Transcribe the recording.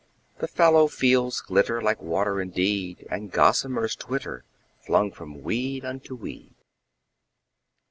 The fallow fields glitter like water indeed, And gossamers twitter, flung from weed unto weed.